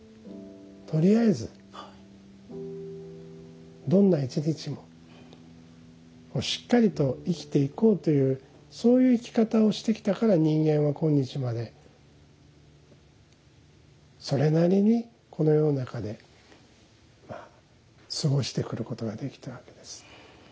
とりあえずどんな１日もしっかりと生きていこうというそういう生き方をしてきたから人間は今日までそれなりにこの世の中でまあ過ごしてくることができたわけです。